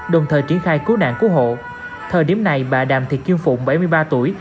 đồng thời triển khai cứu nạn cứu hộ thời điểm này bà đàm thị kim phụng bảy mươi ba tuổi